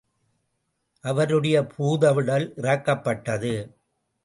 அவருடைய பூதவுடல் இறக்கப்பட்டது.